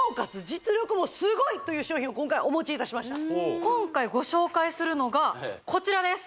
実力もすごいという商品を今回お持ちいたしました今回ご紹介するのがこちらです